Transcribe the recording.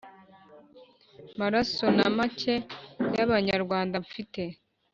maraso na make y'abanyarwanda mfite.